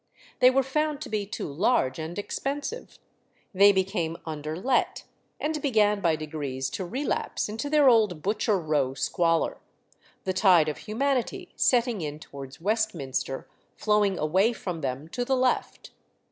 They were found to be too large and expensive; they became under let, and began by degrees to relapse into their old Butcher Row squalor; the tide of humanity setting in towards Westminster flowing away from them to the left.